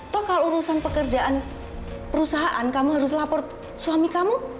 toh kalau urusan pekerjaan perusahaan kamu harus lapor suami kamu